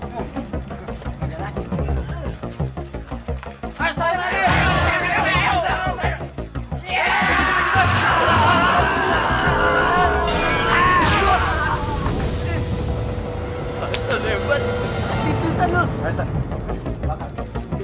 kamu sudah dipengaruhi oleh setengah hari